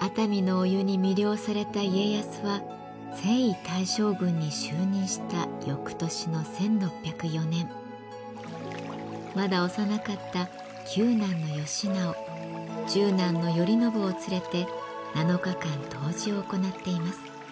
熱海のお湯に魅了された家康は征夷大将軍に就任した翌年の１６０４年まだ幼かった九男の義直十男の頼宣を連れて７日間湯治を行っています。